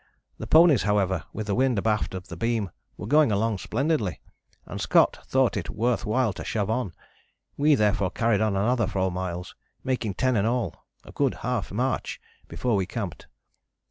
The ponies, however, with the wind abaft the beam were going along splendidly, and Scott thought it worth while to shove on. We therefore carried on another four miles, making ten in all, a good half march, before we camped.